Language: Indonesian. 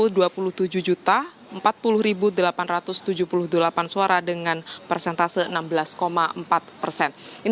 ini menunjukkan bahwa pasangan nomor urut dua mengungguli dua pasangan lainnya dalam hasil penetapan versi kpu ini